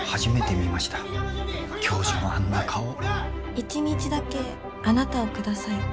１日だけあなたをください。